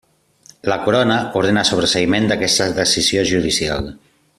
La corona ordena el sobreseïment d'aquesta decisió judicial.